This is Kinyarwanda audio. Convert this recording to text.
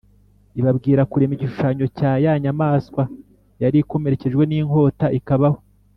ibabwira kurema igishushanyo cya ya nyamaswa yari ikomerekejwe n’inkota ikabaho.